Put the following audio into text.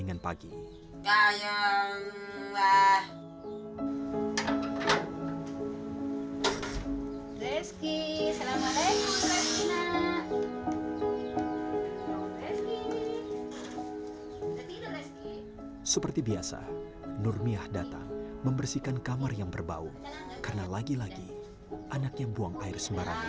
rezeki seperti biasa nurmiah datang membersihkan kamar yang berbau karena lagi lagi anaknya buang air sembarangan